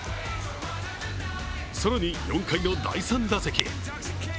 更に、４回の第３打席。